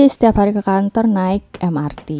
setiap hari ke kantor naik mrt